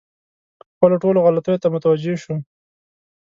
خپلو ټولو غلطیو ته متوجه شوم.